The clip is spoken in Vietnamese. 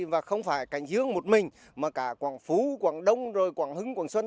và không phải cảnh dương một mình mà cả quảng phú quảng đông rồi quảng hứng quảng xuân